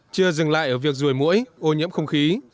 chưa dừng lại ở việc rùi mũi ô nhiễm không khí